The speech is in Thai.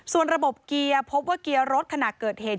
ส่วนระบบเกียร์พบว่าเกียร์รถขณะเกิดเหตุ